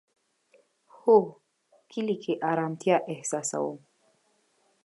هو، کلی کی ارامتیا احساسوم